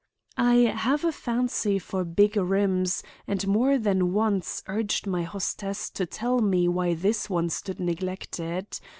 I have a fancy for big rooms and more than once urged my hostess to tell me why this one stood neglected.